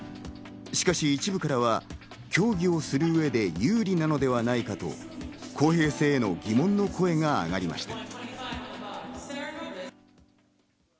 しかし一部からは、競技をする上で有利なのではないかと公平性への疑問の声が上がりました。